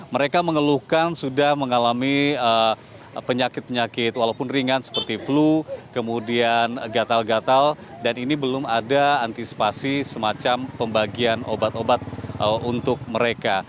mereka mengeluhkan sudah mengalami penyakit penyakit walaupun ringan seperti flu kemudian gatal gatal dan ini belum ada antisipasi semacam pembagian obat obat untuk mereka